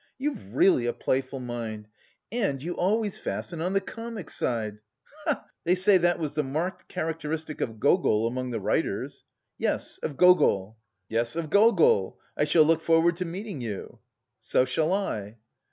You've really a playful mind! And you always fasten on the comic side... he he! They say that was the marked characteristic of Gogol, among the writers." "Yes, of Gogol." "Yes, of Gogol.... I shall look forward to meeting you." "So shall I."